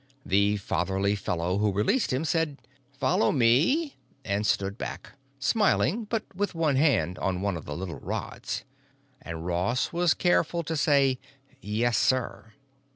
The fatherly fellow who released him said, "Follow me," and stood back, smiling but with one hand on one of the little rods. And Ross was careful to say: "Yes, sir!"